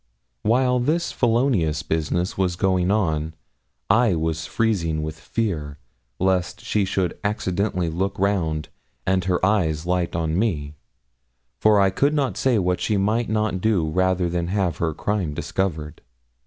While this felonious business was going on, I was freezing with fear lest she should accidentally look round and her eyes light on me; for I could not say what she might not do rather than have her crime discovered.